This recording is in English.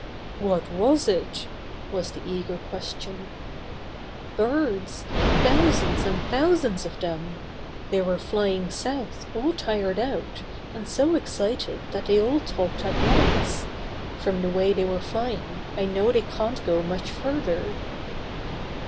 "What was it?" was the eager question. "Birds — thousands and thousands of them! They were flying south, all tired out, and so excited that they all talked at once. From the way they were flying I know they can't go much further."